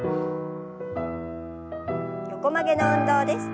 横曲げの運動です。